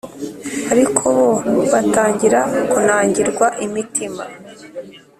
ariko bo batangira kunangirwa imitima